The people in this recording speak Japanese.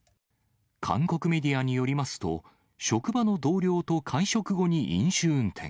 韓国メディアによりますと、職場の同僚と会食後に飲酒運転。